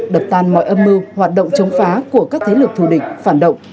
đập tàn mọi âm mưu hoạt động chống phá của các thế lực thù địch phản động